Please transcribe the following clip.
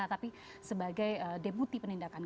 tapi sebagai deputi penindakan